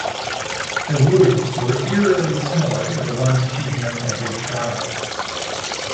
The woods were eerily similar to the ones she'd known as a child.